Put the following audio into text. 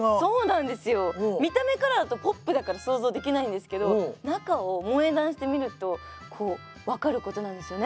見た目からだとポップだから想像できないんですけど中を萌え断してみるとこう分かることなんですよね